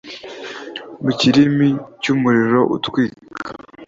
mu kirimi cy’umuriro utwika,